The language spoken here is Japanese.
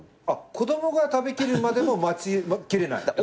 あっ子供が食べきるまでも待ちきれない？